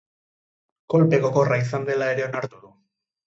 Kolpe gogorra izan dela ere onartu du.